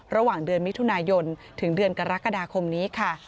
ระหว่างเดือนมิถุนายนถึงเดือนกรกฎาคมนี้ค่ะ